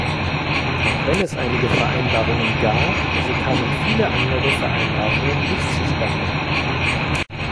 Auch wenn es einige Vereinbarungen gab, so kamen viele andere Vereinbarungen nicht zustande.